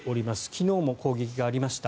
昨日も攻撃がありました。